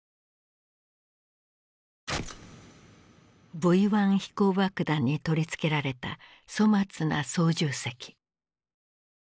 Ｖ１飛行爆弾に取り付けられた粗末な操縦席。